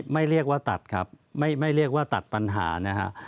ไม่เรียกว่าตัดครับไม่เรียกว่าตัดปัญหานะฮะ